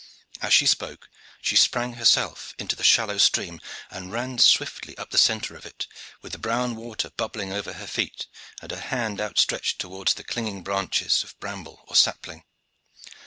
As she spoke, she sprang herself into the shallow stream and ran swiftly up the centre of it, with the brown water bubbling over her feet and her hand out stretched toward the clinging branches of bramble or sapling.